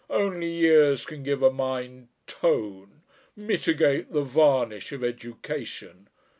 Only years can give a mind tone mitigate the varnish of education.